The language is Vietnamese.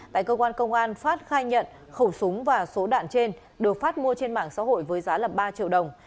tại cơ quan công an phát khai nhận khẩu súng và số đạn trên được phát mua trên mạng xã hội với giá ba triệu đồng